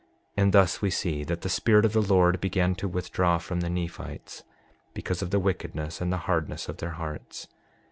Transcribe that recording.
6:35 And thus we see that the Spirit of the Lord began to withdraw from the Nephites, because of the wickedness and the hardness of their hearts.